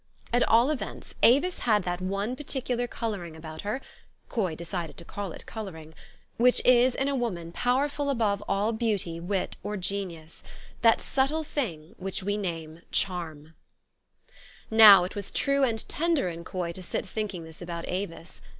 At all events, Avis had that one particular coloring about her (Coy decided to call it coloring), which is, in a woman, powerful above all beaut} r , wit, or genius, that subtile something which we name charm. THE STORY OF AVIS. 11 Now, it was true and tender in Coy to sit thinking this about Avis.